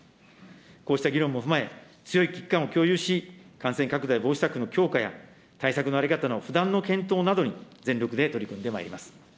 こうした議論も踏まえ、強い危機感を共有し、感染拡大防止策の強化や、対策の在り方の不断の検討などに、全力で取り組んでまいります。